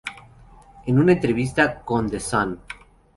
En una entrevista con "The Sun".